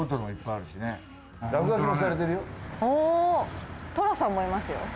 あっ寅さんもいますよ。